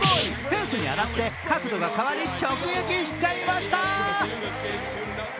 フェンスに当たって角度が変わり直撃しちゃいました。